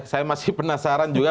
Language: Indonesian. saya masih penasaran juga